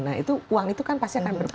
nah itu uang itu kan pasti akan berpenga